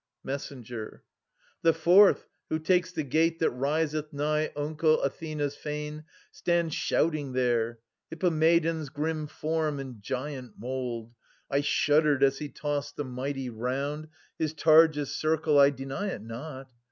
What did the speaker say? Messenger. / The fourth, who takes the gate that riseth nigh Onka Athena's fane, stands shouting there, Hippomedon's grim form and giant mould. I shuddered as he tossed the mighty round. His targe*s circle, I deny it not.